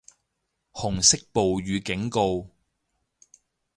紅色暴雨警告